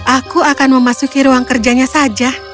aku akan memasuki ruang kerjanya saja